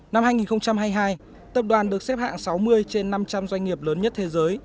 năm hai nghìn hai mươi hai tập đoàn được xếp hạng sáu mươi trên năm trăm linh doanh nghiệp lớn nhất thế giới